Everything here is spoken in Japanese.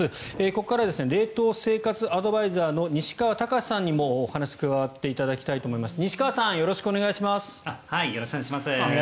ここからは冷凍生活アドバイザーの西川剛史さんにもお話に加わっていただきたいと思います。